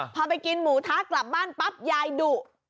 พอไปกินหมูทะกลับบ้านปั๊บยายดุ